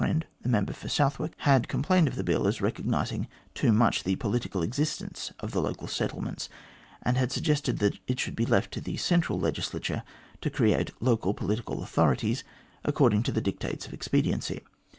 friend, the Member for Southwark, had complained of the Bill as recognising too much the political existence of the local settlements, and had suggested that it should be left to the central legislature to create local political authorities, according to the dictates of expediency.